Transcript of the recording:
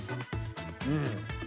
うん。